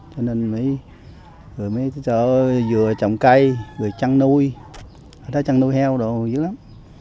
cho nên mới cho dừa trồng cây rồi trăn nuôi ở đó trăn nuôi heo đồ dữ lắm